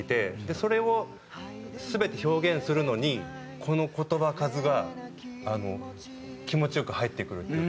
それを全て表現するのにこの言葉数が気持ち良く入ってくるっていうか。